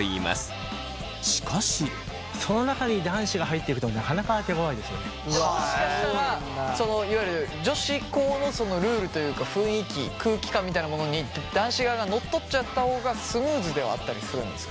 もしかしたらいわゆる女子校のルールというか雰囲気空気感みたいなものに男子側が乗っ取っちゃった方がスムーズではあったりするんですか？